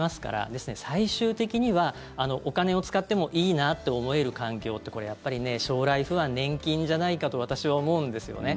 ですので、最終的にはお金を使ってもいいなって思える環境って将来不安、年金じゃないかと私は思うんですよね。